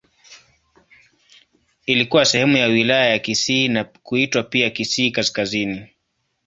Ilikuwa sehemu ya Wilaya ya Kisii na kuitwa pia Kisii Kaskazini.